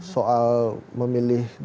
soal memilih dpr